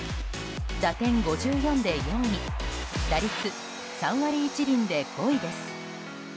打点５４で４位打率３割１厘で５位です。